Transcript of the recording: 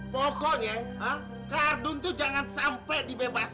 pokoknya kardon tuh jangan sampai dibebasin